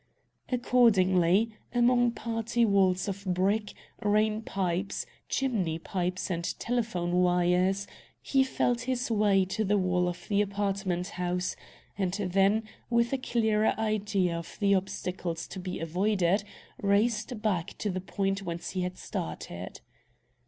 Accordingly, among party walls of brick, rain pipes, chimney pipes, and telephone wires, he felt his way to the wall of the apartment house; and then, with a clearer idea of the obstacles to be avoided, raced back to the point whence he had started.